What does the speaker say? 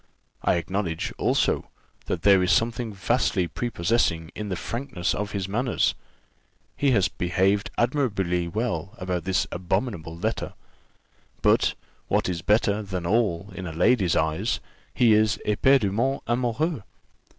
I acknowledge, also, that there is something vastly prepossessing in the frankness of his manners; he has behaved admirably well about this abominable letter; but, what is better than all in a lady's eyes he is éperdument amoureux."